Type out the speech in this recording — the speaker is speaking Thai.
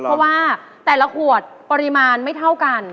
เพราะว่าแต่ละขวดปริมาณไม่เท่ากัน